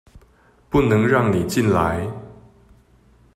不能讓你進來